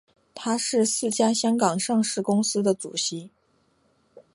他是四家香港上市公司的主席。